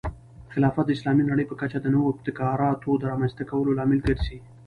خلافت د اسلامي نړۍ په کچه د نوو ابتکاراتو د رامنځته کولو لامل ګرځي.